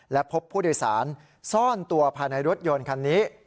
และพบผู้โดยสารซ่อนตัวภายในรถยนต์คันนี้